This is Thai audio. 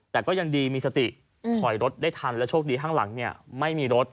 แต่ก็ยังดีมีสติถอยรถได้ทันและโชคดีข้างหลังเนี่ยไม่มีรถ